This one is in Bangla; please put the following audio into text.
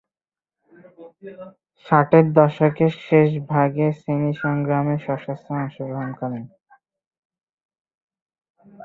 ষাটের দশকের শেষ ভাগে শ্রেণী সংগ্রামে সশস্ত্র অংশগ্রহণ করেন।